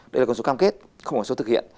đây là con số cam kết không có con số thực hiện